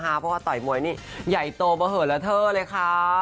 เพราะว่าต่อยมวยนี่ใหญ่โตเบอร์เหอละเทอเลยค่ะ